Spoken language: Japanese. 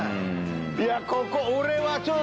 いやここ俺はちょっと。